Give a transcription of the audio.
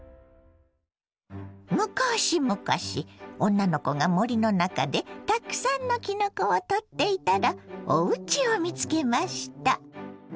むかしむかし女の子が森の中でたくさんのきのこを採っていたらおうちを見つけました。